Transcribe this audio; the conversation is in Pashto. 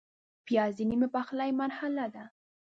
پیاز د نیم پخلي مرحله ده